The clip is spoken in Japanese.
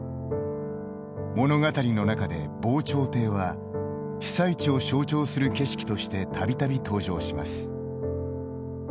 物語の中で「防潮堤」は被災地を象徴する景色としてたびたび登場します。